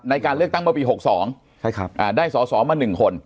ในการเลือกตั้งเมื่อปี๖๒ได้สอสอมา๑คน